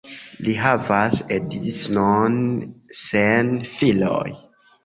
Li havas edzinon sen filoj.